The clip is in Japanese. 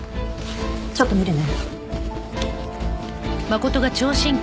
ちょっと診るね。